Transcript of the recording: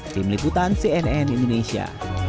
tim liputan cnn indonesia